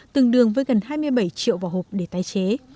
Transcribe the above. tương đương với gần hai mươi bảy triệu vỏ hộp để tái chế